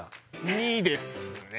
２ですね。